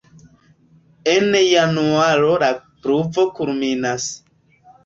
En januaro la pluvo kulminas.